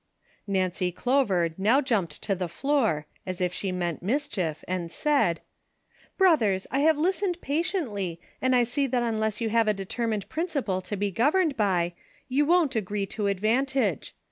Xancy Clover now jumped to the floor, as if she meant mischief, and said :" Brothers, I have listened patiently, and I see that un less you have a determined principle to be governed bj' , you won't agree to advantage.